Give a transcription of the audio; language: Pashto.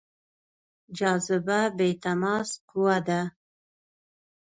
جاذبه بې تماس قوه ده.